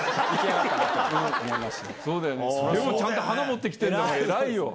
でもちゃんと花持って来たんだから偉いよ。